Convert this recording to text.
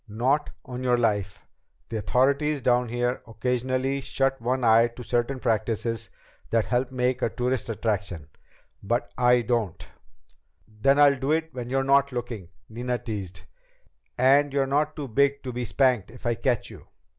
"Not on your life! The authorities down here occasionally shut one eye to certain practices that help make a tourist attraction. But I don't!" "Then I'll do it when you're not looking," Nina teased. "And you're not too big to be spanked if I catch you."